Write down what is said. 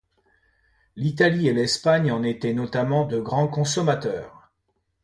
L'Italie et l'Espagne en étaient notamment de grands consommateurs.